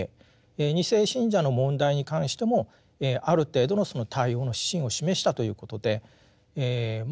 ２世信者の問題に関してもある程度のその対応の指針を示したということでえま